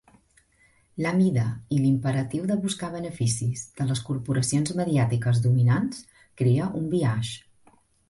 La mida i l'imperatiu de buscar beneficis de les corporacions mediàtiques dominants crea un biaix.